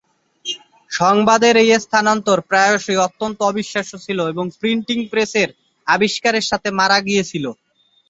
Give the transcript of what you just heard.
সংবাদের এই স্থানান্তর প্রায়শই অত্যন্ত অবিশ্বাস্য ছিল এবং প্রিন্টিং প্রেসের আবিষ্কারের সাথে মারা গিয়েছিল।